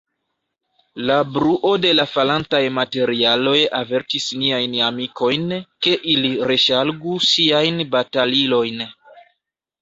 La bruo de la falantaj materialoj avertis niajn amikojn, ke ili reŝargu siajn batalilojn.